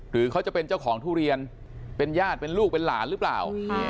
หรือเขาจะเป็นเจ้าของทุเรียนเป็นญาติเป็นลูกเป็นหลานหรือเปล่า